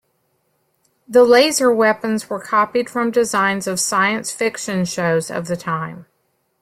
The laser weapons were copied from designs of science fiction shows of the time.